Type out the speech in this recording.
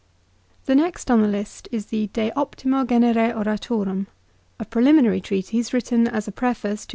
The next on the list is the " De Optimo Genere Oratorum," BC 52 a P re li nnnarv treatise written as a preface to setat.